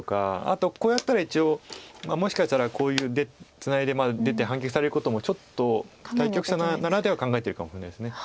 あとこうやったら一応もしかしたらこういうツナいで出て反撃されることもちょっと対局者なら考えてるかもしれないです。